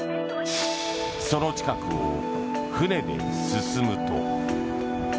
その近くを船で進むと。